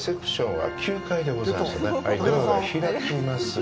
はい、ドアが開きます。